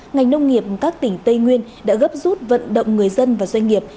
ngành nông nghiệp các tỉnh tây nguyên đã gấp rút vận động người dân và doanh nghiệp